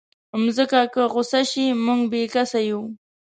مځکه که غوسه شي، موږ بېکسه یو.